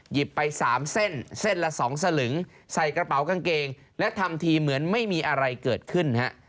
ไป๓เส้นเส้นละ๒สลึงใส่กระเป๋ากางเกงและทำทีเหมือนไม่มีอะไรเกิดขึ้นฮะ